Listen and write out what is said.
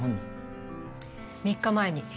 ３日前に。